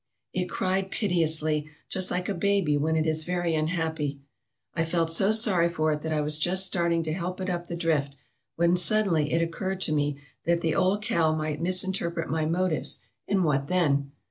It cried piteously, just like a baby when it is very unhappy. I felt so sorry for it that I was just starting to help it up the drift when suddenly it occurred to me that the old cow might misinterpret my motives, and what then?